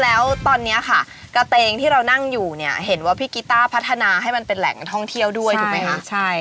แล้วตอนนี้ค่ะกระเตงที่เรานั่งอยู่เนี่ยเห็นว่าพี่กีต้าพัฒนาให้มันเป็นแหล่งท่องเที่ยวด้วยถูกไหมคะ